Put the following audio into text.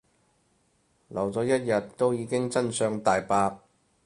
留咗一日都已經真相大白